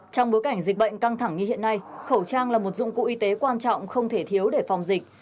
trong bối cảnh dịch bệnh căng thẳng như hiện nay khẩu trang là một dụng cụ y tế quan trọng không thể thiếu để phòng dịch